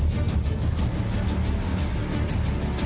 โหอย่างนี้เลยนะ